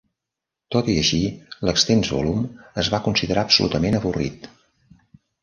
Tot i així, l'extens volum es va considerar absolutament avorrit.